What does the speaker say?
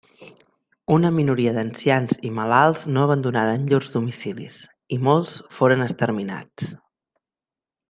Una minoria d'ancians i malalts no abandonaren llurs domicilis, i molts foren exterminats.